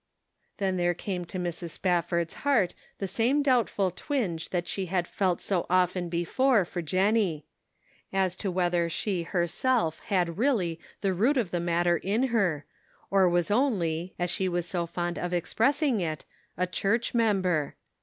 Then there came to Mrs. Spafford's heart the same doubtful twinge that she had felt so often before for Jennie; as to whether 164 The Pocket Measure. she herself had really the root of the matter in her, or was only, as she was so fond of expressing it, a " church member."